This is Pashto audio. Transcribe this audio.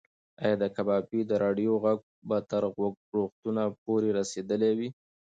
ایا د کبابي د راډیو غږ به تر روغتونه پورې رسېدلی وي؟